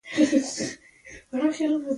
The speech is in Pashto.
چې ورسېدو هغه طواف او سعيې مو وکړې.